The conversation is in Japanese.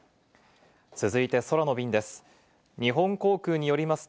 続いて空の便です。